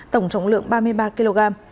tổng trọng lượng ba mươi ba kg